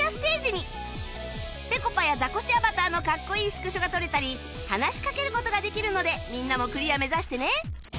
見事ぺこぱやザコシアバターのかっこいいスクショが撮れたり話しかける事ができるのでみんなもクリア目指してね